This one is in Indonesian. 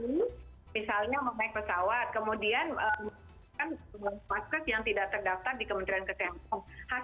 misalnya memaik pesawat kemudian memasukkan masker yang tidak terdaftar di kementerian ketentang